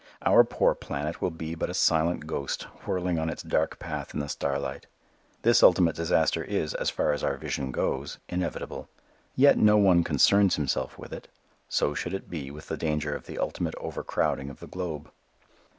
Our poor planet will be but a silent ghost whirling on its dark path in the starlight. This ultimate disaster is, as far as our vision goes, inevitable. Yet no one concerns himself with it. So should it be with the danger of the ultimate overcrowding of the globe.